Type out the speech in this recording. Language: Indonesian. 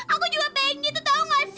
aku juga pengen gitu tau gak sih